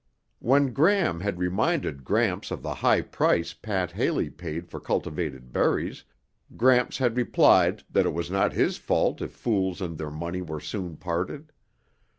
When Gram had reminded Gramps of the high price Pat Haley paid for cultivated berries, Gramps had replied that it was not his fault if fools and their money were soon parted.